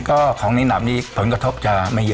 ก็ของในหนับนี่ผลกระทบจะไม่เยอะ